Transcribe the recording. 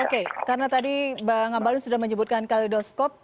oke karena tadi bang ambalun sudah menyebutkan kaleidoskop